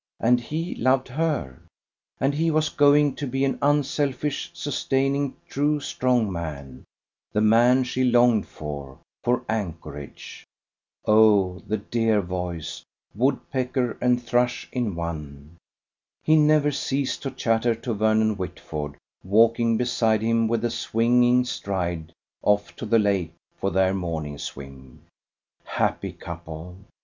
And he loved her. And he was going to be an unselfish, sustaining, true, strong man, the man she longed for, for anchorage. Oh, the dear voice! woodpecker and thrush in one. He never ceased to chatter to Vernon Whitford walking beside him with a swinging stride off to the lake for their morning swim. Happy couple!